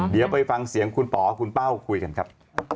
เดี๋ยวไปฟังเสียงคุณป๋อคุณเป้าคุยกันครับ